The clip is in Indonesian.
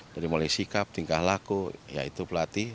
dari mulai sikap tingkah laku ya itu pelatih